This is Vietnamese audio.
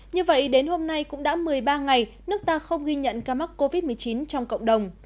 như vậy đến hôm nay cũng đã một mươi ba ngày nước ta không ghi nhận ca mắc covid một mươi chín trong cộng đồng